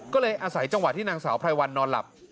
ก็เลยอาศัยจังหวะที่นางสาวไพรวันนอนหลับ